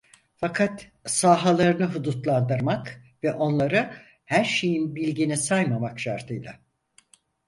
Fakat, sahalarını hudutlandırmak ve onları her şeyin bilgini saymamak şartıyla.